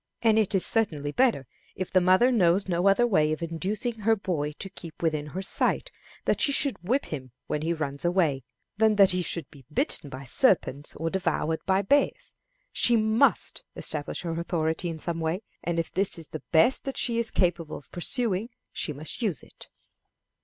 And it is certainly better, if the mother knows no other way of inducing her boy to keep within her sight, that she should whip him when he runs away, than that he should be bitten by serpents or devoured by bears. She must establish her authority in some way, and if this is the best that she is capable of pursuing, she must use it.